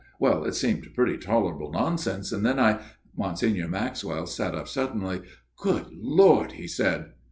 Well, it seemed pretty tolerable nonsense, and then I " Monsignor Maxwell sat up suddenly. " Good Lord !" he said.